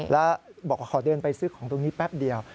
แล้วบอกว่าขอเดินไปซื้อของตรงนี้แป๊บเดียว